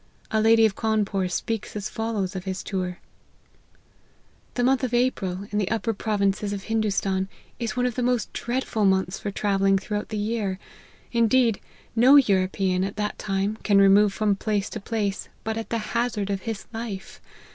A lady of Cawnpore, speaks as follows of his tour :" The month of April, in the upper provinces of Hindoostan, is one of the most dreadful months for travelling throughout the year ; indeed, no Euro pean, at that time, can remove from place to place, but at the hazard of his life.